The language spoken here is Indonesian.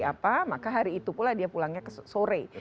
apa maka hari itu pula dia pulangnya ke sore